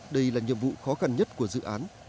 đây là nhiệm vụ khó khăn nhất của dự án